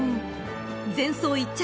［前走１着